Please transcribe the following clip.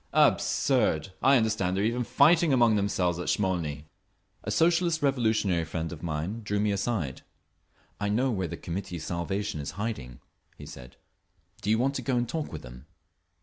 Absurd! I understand they're even fighting among themselves at Smolny!" A Socialist Revolutionary friend of mine drew me aside. "I know where the Committee for Salvation is hiding," he said. "Do you want to go and talk with them?"